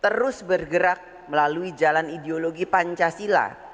terus bergerak melalui jalan ideologi pancasila